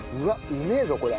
うめえぞこれ。